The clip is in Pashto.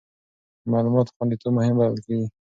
د معلوماتو خوندیتوب مهم بلل کېږي.